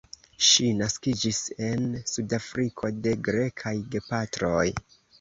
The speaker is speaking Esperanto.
Ŝi naskiĝis en Sudafriko de grekaj gepatroj.